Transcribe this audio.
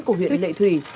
của huyện lệ thủy